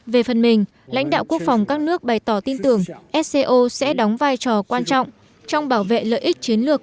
về phần mình lãnh đạo quốc phòng các nước bày tỏ tin tưởng sco sẽ đóng vai trò quan trọng trong bảo vệ lợi ích chiến lược